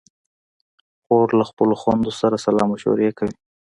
خور له خپلو خویندو سره سلا مشورې کوي.